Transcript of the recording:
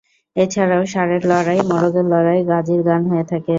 এছাড়াও ষাঁড়ের লড়াই, মোরগের লড়াই, গাজীর গান হয়ে থাকে।